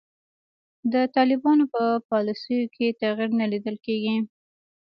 د طالبانو په پالیسیو کې تغیر نه لیدل کیږي.